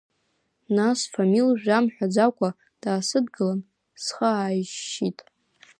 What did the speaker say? Нас Фамил жәа мҳәаӡакәа даасыдгылан, схы ааишьшьит…